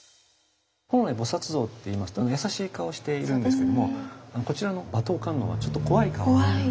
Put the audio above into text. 本来菩像っていいますと優しい顔をしているんですけどもこちらの馬頭観音はちょっと怖い顔をされてます。